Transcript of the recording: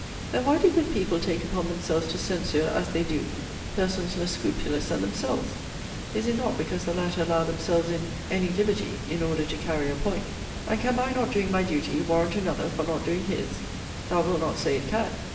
Then, why do good people take upon themselves to censure, as they do, persons less scrupulous than themselves? Is it not because the latter allow themselves in any liberty, in order to carry a point? And can my not doing my duty, warrant another for not doing his? Thou wilt not say it can.